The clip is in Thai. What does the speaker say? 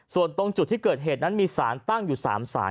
ส่วนตรงจุดที่เกิดเหตุนั้นมีสารตั้งอยู่๓สาร